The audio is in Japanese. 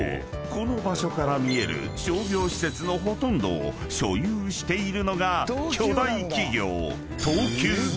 この場所から見える商業施設のほとんどを所有しているのが巨大企業］